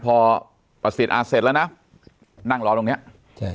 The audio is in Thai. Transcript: พอประสิทธิ์อ่าเสร็จแล้วนะนั่งรอตรงเนี้ยใช่